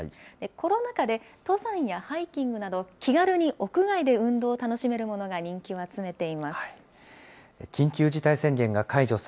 コロナ禍で登山やハイキングなど、気軽に屋外で運動を楽しめるものが人気を集めています。